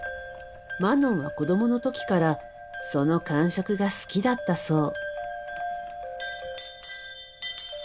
マノンは子どもの時からその感触が好きだったそう。